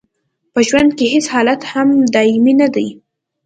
په ژوند کې هیڅ حالت هم دایمي نه دی.